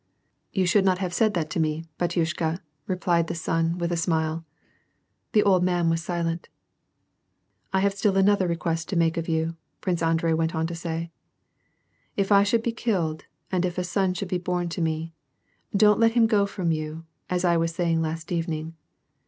" You should not have said that to me, batyushka," replied the son, with a smile. The old man was silent. " I have still another request to make of you," Prince An drei went on to say. " If I should be killed, and if a son should be born to me, don't let him go from you, as I was saying last evening.